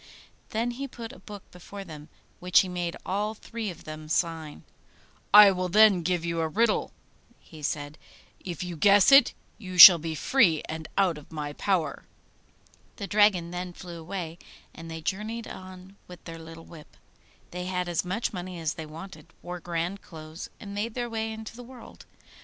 Then he put a book before them, which he made all three of them sign. 'I will then give you a riddle,' he said; 'if you guess it, you shall be free and out of my power.' The dragon then flew away, and they journeyed on with their little whip. They had as much money as they wanted, wore grand clothes, and made their way into the world.